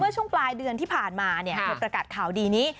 ช่วงปลายเดือนที่ผ่านมาเธอประกาศข่าวดีนี้